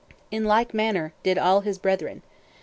In like manner did all his brethren.